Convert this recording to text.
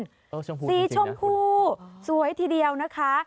อื้อชมพูจริงนะคุณสีชมพูสวยทีเดียวนะคะ